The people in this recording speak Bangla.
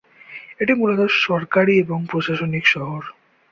এটি মূলত সরকারি এবং প্রশাসনিক শহর।